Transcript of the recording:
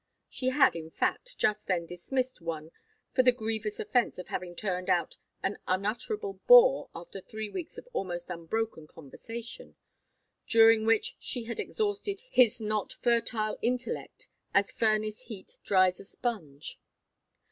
She had, in fact, just then dismissed one for the grievous offence of having turned out an unutterable bore after three weeks of almost unbroken conversation, during which she had exhausted his not fertile intellect, as furnace heat dries a sponge.